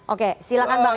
oke silahkan bang